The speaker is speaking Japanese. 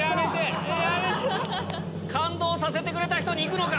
感動させてくれた人に行くのか？